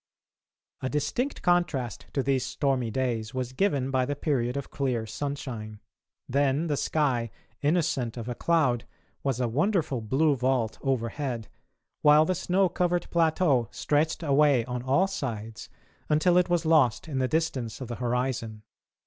A distinct contrast to these stormy days was given by the period of clear sunshine. Then the sky, innocent of a cloud, was a wonderful blue vault overhead, while the snow covered plateau stretched away on all sides until it was lost in the distance of the horizon.